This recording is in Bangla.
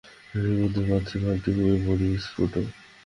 নারীর মধ্যে মাতৃ-ভাবটি খুব পরিস্ফুট।